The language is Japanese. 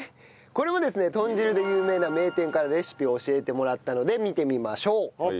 これもですね豚汁で有名な名店からレシピを教えてもらったので見てみましょう。